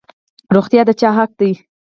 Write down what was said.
روغتیا د چا حق دی؟